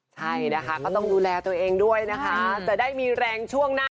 ใช่นะคะก็ต้องดูแลตัวเองด้วยนะคะจะได้มีแรงช่วงหน้า